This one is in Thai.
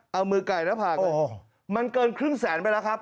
เอามือไก่หน้าผากมันเกินครึ่งแสนไปแล้วครับ